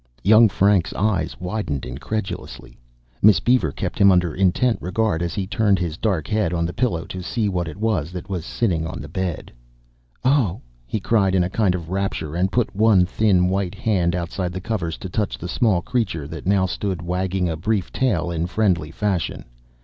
Young Frank's eyes widened incredulously. Miss Beaver kept him under intent regard as he turned his dark head on the pillow to see what it was that was sitting on the bed. "Oh!" he cried in a kind of rapture and put one thin white hand outside the covers to touch the small creature that now stood wagging a brief tail in friendly fashion.